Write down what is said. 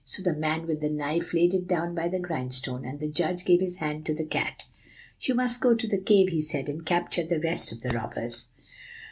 So the man with the knife laid it down by the grindstone, and the judge gave his hand to the cat. 'You must go to the cave,' he said, 'and capture the rest of the robbers.